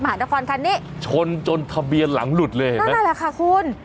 หานครคันนี้ชนจนทะเบียนหลังหลุดเลยเห็นไหมนั่นแหละค่ะคุณ